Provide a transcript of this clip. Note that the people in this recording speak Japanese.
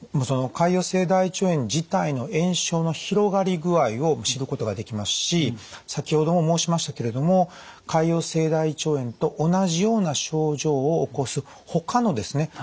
その潰瘍性大腸炎自体の炎症の広がり具合を知ることができますし先ほども申しましたけれども潰瘍性大腸炎と同じような症状を起こす他のですね